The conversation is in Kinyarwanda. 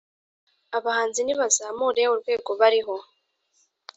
Abahanzi nibazamure urwego bariho